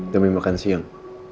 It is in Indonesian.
demi makan siang